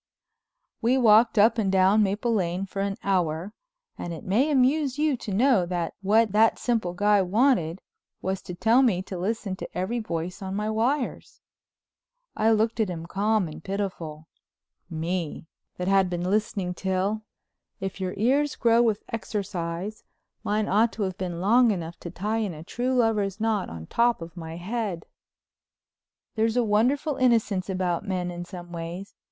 We walked up and down Maple Lane for an hour, and it may amuse you to know that what that simple guy wanted was to tell me to listen to every voice on my wires. I looked at him calm and pitiful. Me, that had been listening till, if your ears grow with exercise, mine ought to have been long enough to tie in a true lover's knot on top of my head! There's a wonderful innocence about men in some ways.